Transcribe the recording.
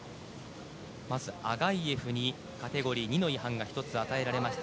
まず、アガイェフにカテゴリー２の違反が１つ与えられました。